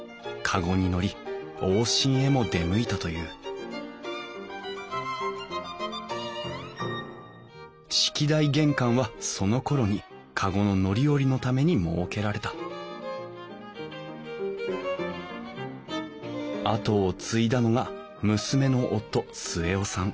籠に乗り往診へも出向いたという式台玄関はそのころに籠の乗り降りのために設けられた後を継いだのが娘の夫末雄さん。